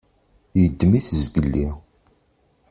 Yeddem-it zgelli.